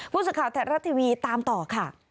พูดสุดข่าวแท็ตรัสทีวีตามต่อค่ะ